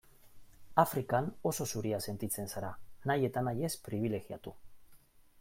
Afrikan oso zuria sentitzen zara, nahi eta nahi ez pribilegiatu.